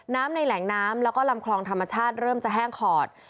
ในแหล่งน้ำแล้วก็ลำคลองธรรมชาติเริ่มจะแห้งขอด